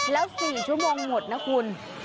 แล้ว๔ชั่วโมงหมดนะคุณ